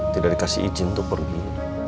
tidak dikasih izin untuk pergi